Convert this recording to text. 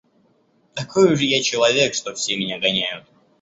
Такой уж я человек, что все меня гоняют.